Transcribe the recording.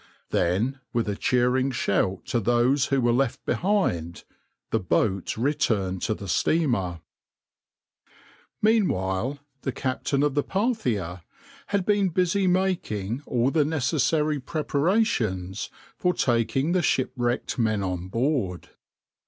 Then, with a cheering shout to those who were left behind, the boat returned to the steamer.\par Meanwhile the captain of the {\itshape{Parthia}} had been busy making all the necessary preparations for taking the shipwrecked men on board.